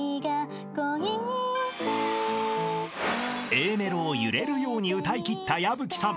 ［Ａメロを揺れるように歌いきった矢吹さん］